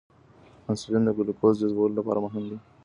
انسولین د ګلوکوز جذبولو لپاره مهم دی.